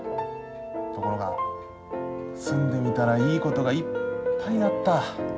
ところが住んでみたらいいことがいっぱいあった。